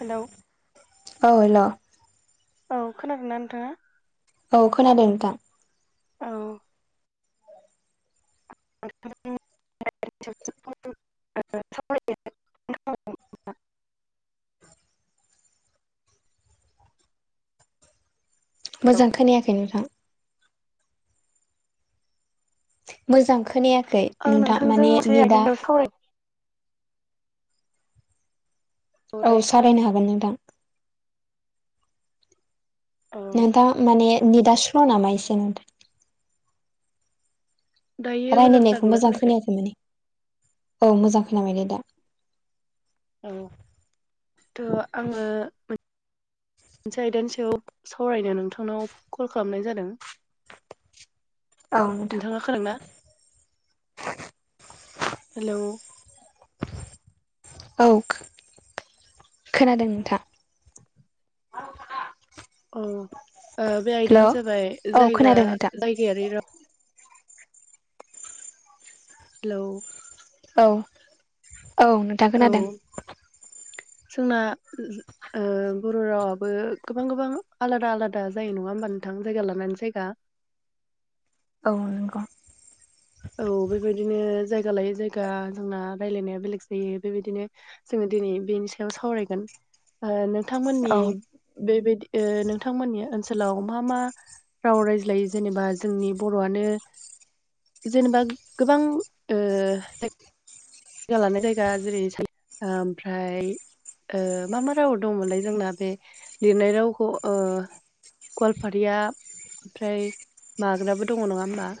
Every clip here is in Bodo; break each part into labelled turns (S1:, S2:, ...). S1: हेलौ
S2: औे हेल
S1: औ खोनादों ना नोंथाङा
S2: औ खोनादों नोंथां
S1: औ [unintelligible] [inaudible]
S2: मोजां खोनायाखै नोंथां मोजां खोनायाखै
S1: आं
S2: नोंथां
S1: नोंथांजों
S2: माने
S1: मोनसे
S2: नेदा
S1: आयदानि सायाव सावरायनो
S2: औ
S1: दायो खोना
S2: सावरायनो हागोन नोंथां
S1: औ
S2: नोंथां माने निदास्ल' नामा एसे नोंथां रायज्लायनायखौ मोजां खोनायाखै माने औ मोजां खोनाबाय दे दा
S1: औ थ' आङो मोनसे आयदानि सायाव सावरायनो नोंथांनाव कल खालामनाय जादों
S2: औ
S1: [inaudible]
S2: नोंथां
S1: नोंथाङा खोनादोंना हेल'
S2: औ खोनादों नोंथां
S1: औ बे
S2: हेल'
S1: आयदायानो जाबाय
S2: औ
S1: जायगा
S2: खोनादों नोंथां
S1: जायगायारि राव हेल'
S2: औ औ नों
S1: औ जोंना बर' रावाबो गोबां गोबां आलादा आलादा जायो नङा होमबा नोंथां जायगा लानानै जायगा
S2: औ नंगौ
S1: औ बेबायदिनो जायगा लायै जायगा जोंना रायलायनाया बेलेग जायो बेबायदिनो जोङो दिनै बेनि सायाव सावरायगोन नोंथांमोननि
S2: औ
S1: बेबायदि नोंथांमोननि ओनसोलाव मा मा राव रायज्लायो जेनेबा जोंनि बर'आनो जेनेबा गोबां ज जायगा लानाय जायगा जेरै ओमफ्राय मा मा राव दंमोनलाय जोंना बे लिरनाय रावखौ गवालपारिया ओमफ्राय माग्राबो दङ नङा होमबा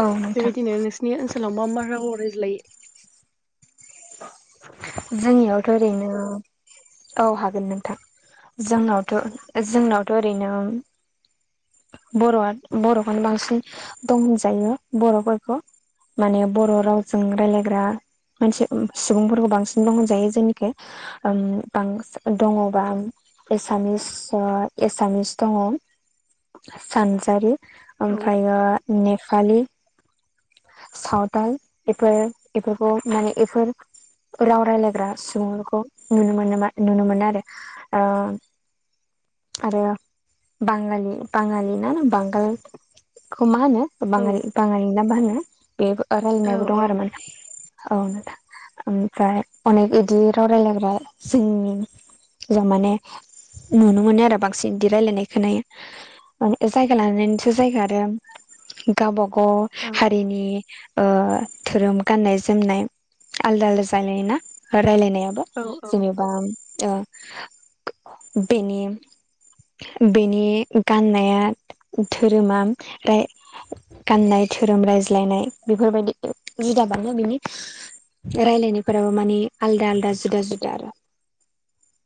S2: औ नोंथां
S1: बेबायदिनो नोंसिनि ओनसोलाव मा मा राव रायज्लायो
S2: जोंनियावथ' ओरैनो औ हागोन नोंथां जोंनावथ' जोंनावथ' ओरैनो बर'आ बर'खौनो बांसिन दंहोनजायो बर'फोरखौ माने बर' रावजों रायलायग्रा मानसि सुबुंफोरखौ बांसिन दंहोनजायो जोंनिखै ओं बां दङबां एसामिस एसामिस दङ सानजारि
S1: औ
S2: ओमफ्रायो नेपालि साावथाल एफोर एफोरखौ माने एफोर राव रायलायग्रा सुबुंफोरखौ नुनो मोनोमा नुनो मोनो आरो ओ आरो बाङालि बाङालि ना बांगालखौ मा होनो
S1: औ
S2: बाङालि बाङालि ना मा होनो बे रायलायनायबो दं
S1: औ औ
S2: आरो माने औ। ओमफ्राय अनेक इदि राव रायलायग्रा जोंनि जों माने नुनो मोनो आरो बांसिन इदि रायलायनाय खोनायो। माने जायगा लानानैसो जायगा आरो गावबागाव
S1: औ।
S2: नि ओ धोरोम गान्नाय-जोमनाय आलदा आलदा जानायोना रायलायनायाबो
S1: औ औ
S2: जेनेबा ओ बेनि बेनि गाननाया धोरोमा राय गाननाय धोरोम रायज्लायनाय बेफोरबायदि जुदाबानो बिनि रायलायनायफोराबो मानि आलदा आलदा जुदा जुदा आरो।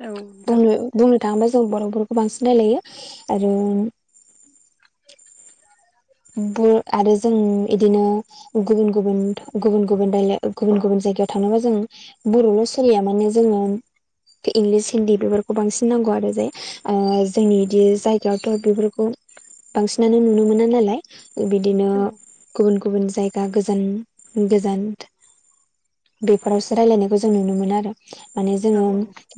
S1: नोंथां
S2: बुंनो बुंनो थाङोबा जों बर'फोरखौ बांसिन रायलायो आरो ब आरो जोंनि इदिनो गुबुन गुबुन गुबुन गुबुन रायला गुबुन गुबुन जायगायाव थांनोबा जों बर'ल' सोलिया माने जोङो इंलिस हिन्दी बेफोरखौ बांसिन नांगौ आरो जे। ओ जोंनि इदि जायगायावथ' बेफोरखौ बांसिनानो नुनो मोना नालाय बिदिनो
S1: औ
S2: गुबुन गुबुन जायगा गोजान गोजान। बेफोरावसो रायलायनायखौ जों नुनो मोनो आरो माने
S1: औ
S2: जोङो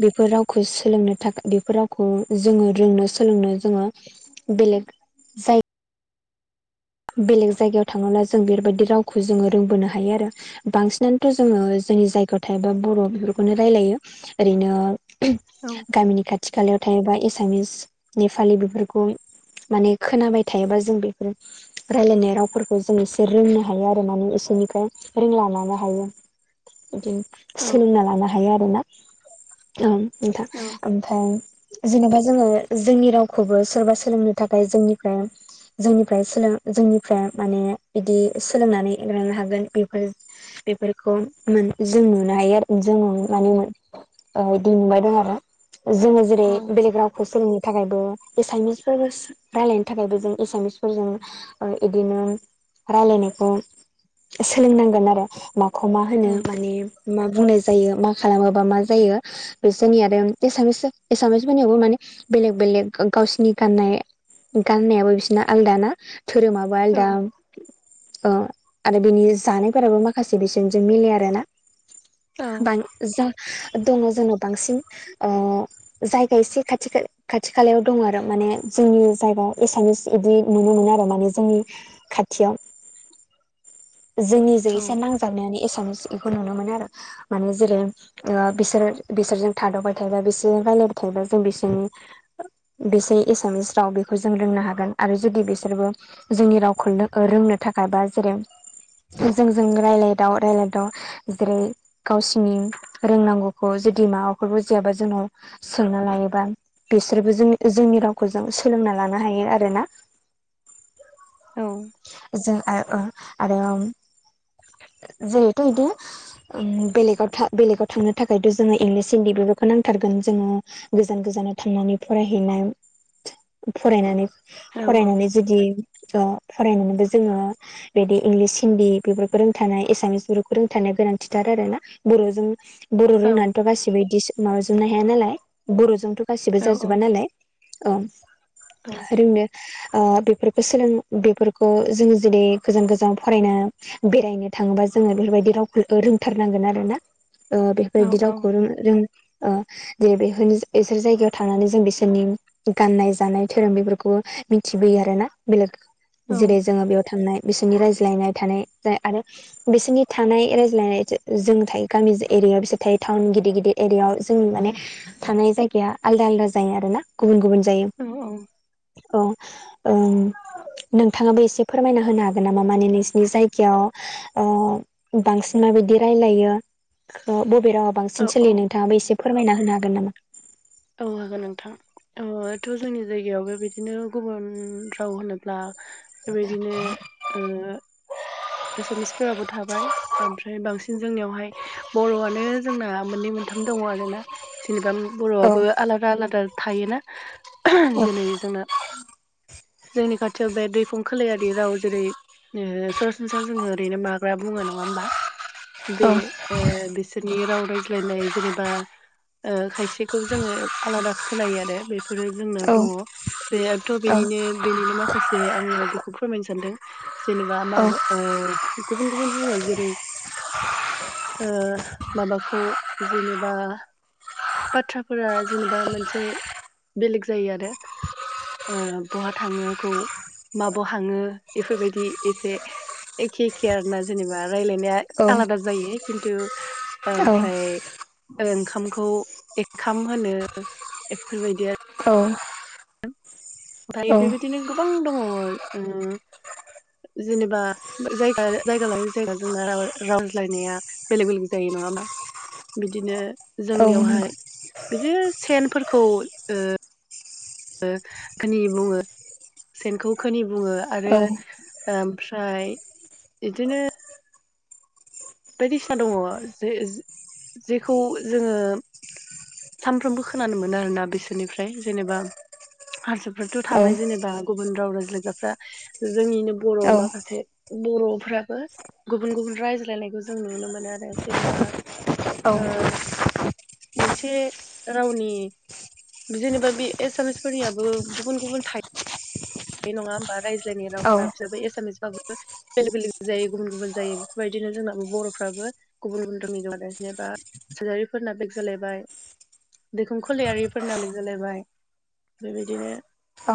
S2: बेफोर रावखौ सोलोंनो थाखाय बेफोर रावखौ जोङो रोंनो सोलोंनो जोङो बेलेग जाय बेलेग जायगायाव थाङोब्ला जों बेफोरबायदि रावखौ जोङो रोंबोनो हायो आरो। बांसिनानोथ' जोङो जोंनि जायगायाव थायोबा बर' बेफोरखौनो रायलायो। ओरैनो
S1: औ
S2: [unintelligible] गामिनि खाथि खालायाव थायोबा एसामिस, नेपालि बेफोरखौ माने खोनाबाय थायाबा जों बेफोरो रायलायनाय रावफोरखौ जों एसे रोंनो हायो आरो माने एसोरनिफ्राय रोंना लानो हायो। बिदिनो
S1: औ
S2: सोलोंना लानो हायो आरोना। औ नोंथां
S1: औ
S2: ओमफाय जेनेबा जोङो जोंनि रावखौबो सोरबा सोर सोलोंनो थाखाय जोंनिफ्राय जोंनिफ्राय सोलों जोंनिफ्राय माने बिदि सोलोंनानै लांनो हागोन बेफोर बेफोरखौ मोन जों नुनो हायो आरो जों माने ओ इदि नुबाय दं आरो जोङो जेरै
S1: औ
S2: बेलेग रावखौ सोलोंनो थाखायबो एसामिसफोर रायलायनो थाखायबो जों एसामिसफोरजों औ इदिनो रायलायनायखौ सोलोंनांगोन आरो। माखौ मा होनो
S1: औ
S2: माने मा बुंनाय जायो मा खालामोबा मा जायो। बिसोरनि आरो एसामिस एसामिसफोरनियावबो माने बेलेग बेलेग ओ गावसिनि गाननाय गाननायाबो बिसिना आलदा ना धोरोमाबो
S1: औ
S2: आलदा। अ आरो बिनि जानायफोराबो माखासे बिसोरनिजों मिलाया आरोना। बां जा दङ जोंनाव बांसिन ओ जायगा एसे खाथि खा। खाथि खालायाव दं आरो माने जोंनि जायगायाव एसामिस इदि नुनो मोनो आरो ना। बो जोंनि खाथियाव जोंनिजों
S1: औ
S2: एसे नां थाबनायानो एसामिस इखौ नुनो मोनो आरो माने जेरै ओ बिसोर बिसोरजों थाद'बाय थायोबा बिसोरजों रायलायबाय थायोबा जों बिसोरनि बेसै एसामिस राव बेखौ जों रोंनो हागोन आरो जुदि बिसोरबो जोंनि रावखौनो रोंनो थाखाय बा जेरै जोंजों रायलायदाव रायलायदाव जेरै गावसिनि रोंनांगौखौ जुदि माबाफोर बो बुजियाबा जोंनाव सोंना लायोबा बिसोरबो जोंनि जोंनि रावखौ जों सोलोंना लानो हायो आरोना।
S1: औ
S2: जों आ ओ आरो जिहेथु इदिनो ओम बेलेगाव था बेलेगाव थांनो थाखायथ' जोङो इंलिस हिन्दी बेफोरखौ नांथारगोन जोङो गोजान गोजानाव थांनानै फरायहैनाय फरायनानै फरायनानै जुदि ओ फरायनोबो जोङो बिदि इंलिस हिन्दी बेफोरखौ रोंथानाय एसामिस बेफोरखौ रोंथानाया गोनांथिथार आरो ना? बर'जों बर' रोंनानैथ' गासिबो इदि माबाजोबनो हाया नालाय बर'जोंथ' गासिबो
S1: औ
S2: जाजोबा नालाय। औ रोंनाया ओ बेफोरखौ सोलों बेफोरखौ जोङो जेरै गोजान गोजान फरायना बेरायनो थाङोबा जोङो बेफोरबायदि रावखौ रोंथारनांगोन आरो ना? ओ बेफोरबायदि रावखौ रों रों ओ जेरै बेफोरनि बिसोर जायगायाव थानानै जों बिसोरनि गाननाय जानाय धोरोम बेफोरखौ मिथिबोयो आरो ना बेलेग जेरै जोङो बेयाव थांनाय बिसोरनि रायज्लायनाय थानाय जाय आरो बिसोरनि थानाय रायज्लायनाय जो जों थायो गामि एरियायाव बिसोर थायो टाउन गिदिर गिदिर एरियाायाव जोंनि माने थानाय जायगाया आलदा आलदा जायो आरो ना गुबुन गुबुन जायो।
S1: औ औ
S2: औ ओम नोंथाङाबो एसे फोरमायना होनो हागोन नामा माने नोंसिनि जायगायाव ओ बांसिन माबायदि रायलायो ओ बबे रावा बांसिन
S1: औ
S2: सोलियो नोंथाङाबो एसे फोरमायना होनो हागोन नामा?
S1: औ हागोन नोंथां थ' जोंनि जायगायावबो बिदिनो गुबुन राव होनोब्ला बेबायदिनो ओ एसामिसफोराबो थाबाय ओमफ्राय बांसिन जोंनियावहाय बर'आनो जोंना मोननै मोनथाम दङ आरो ना? जेनेबा
S2: औ
S1: बर'आबो आलादा आलादा थायोना
S2: औ
S1: जेरै जोंना जोंनि खाथियाव बे दैखं खोलेरारि राव जेरै ओ सरास [unintelligible] जोङो ओरैनो माग्रा बुङो नङा ओमबा बे
S2: औ
S1: ओ बिसोरनि राव रायज्लायनाय जेनेबा ओ खायसेखौ जोङो आलादा खोनायो आरो बेफोरो जोंनाव दङ। बेथ' बेनिनो बेनिनो माखासे आङो बेखौ फोरमायनो सानदों जेनेबा माबा
S2: औ
S1: ओ गुबुन गुबुन बुङो जेरै ओ माबाखौ जेनेबा बाथ्राफोरा जेनेबा मोनसे बेलेग जायो आरो ओ बहा थाङोखौ माबाव हाङो इफोरबायदि इसे एखे एख के आरोना जेनेबा रायलायनाया आलादा जायो किन्तु
S2: औ
S1: ओमफ्राय ओंखामखौ एखाम होनो एफोरबायदि आर
S2: औ
S1: ओमफाय
S2: औ
S1: बेबायदिनो गोबां दङ ओ जेनेबा जायगा जायगा लायै जायगा जोंना राव रावज्लायनाया बेलेग बेलेग जायो नङा ओमबा? बिदिनो
S2: औ
S1: जोंनियावहाय
S2: नंगौ
S1: बिदिनो सेनफोरखौ ओ ओ खोनि बुङो। सेनखौ खोनि बुङो आरो
S2: औ
S1: ओमफ्राय इदिनो बायदिसिना दङ जे जेखौ जोङो सानफ्रोमबो खोनानो मोनो आरोना बिसोरनिफ्राय जेनेबा हारसाफ्राथ'
S2: औ
S1: थाबाय जेनेबा गुबुन राव रायज्लायग्राफ्रा जोंनिनो बर'
S2: औ
S1: माखासे बर'फ्राबो गुबुन गुबुन रायज्लायनायखौ जो जों नुनो मोनो आरो जेनेबा
S2: औ
S1: ओ मोनसे रावनि जेनेबा बे एसामिसफोरनियाबो गुबुन गुबुन था बे नङा होमबा रायज्लायनाय
S2: औ
S1: रावफ्रा बिसोर एसामिस एबा गु बेलेग बेलेग जायो गुबुन गुबुन जायो बेफोरबायदिनो जोंनाबो बर'फ्राबो गुबुन गुबुन रोखोमनि जेनेबा सार्जारिफोरना बेक जालायबाय दैखुन खलारिफोरना लिक जालायबाय बेबायदिनो
S2: औ।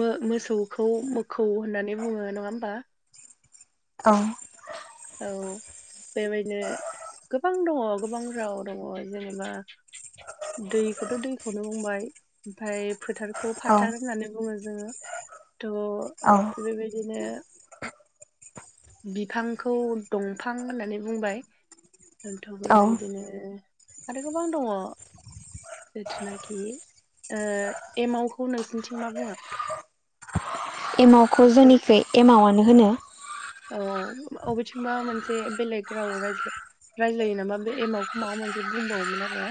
S1: मो मोसौखौ मोखौ होननानै बुङो नङा होमबा?
S2: औ
S1: औ बेबायदिनो गोबां दङ गोबां राव दङ जेनेबा दैखौथ' दैखौनो बुंबाय ओमफ्राय फोथारखौ
S2: औ
S1: फाथार होननानै बुङो जोङो थह
S2: औ
S1: बेबायदिनो बिफांखौ दंफां होननानै बुंबाय दन्थ'फोर
S2: औ
S1: बे इदिनो आरो गोबां दङ। जिथुनाखि ओ एमावखौ नोंसिनिथिं मा बुङो?
S2: एमावखौ
S1: जों
S2: जेनिखुइ एमावनो होनो।
S1: औ अबेथिंबा मोनसे बेलेग राव रायज्लाय रायज्लायो नामा बे एम आावखौ माबा मोनसे बुंबावोमोन आरो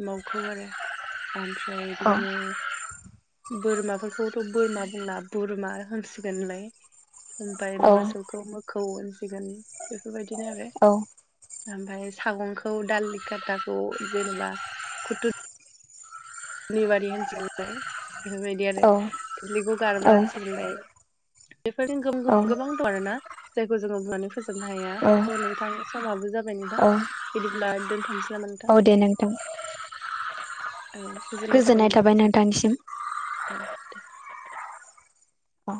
S1: एमावखौ आरो आमफ्राय
S2: औ
S1: बेबादिनो बोरमाफोरखौथ' बोरमा बुंला बुरमा होनसिगोनलाय ओमफ्राय
S2: औ
S1: मोसौखौ मोखौ होनसिगोन बेफोरबायदिनो आरो।
S2: औ
S1: ओमफ्राय सागंखौ दालि खाथाखौ जेनेबा खुथुर निबारि होनसलाय बेफोरबायदि आरो
S2: औ
S1: खोस्लिखौ
S2: औ
S1: गारबा होनसलाय। बेफोरजों
S2: औ
S1: गोबां दं आर ना। जायखौ जोङो बुंनानै फोजोबनो हाया नोंथां समाबो जाबाय नोंथां
S2: औ
S1: बिदिब्ला दोनथ'नोसै। नोंथां
S2: औ दे नोंथां
S1: औ गोजोननाय थाबाय नोंथांसिम। औ दे।
S2: औ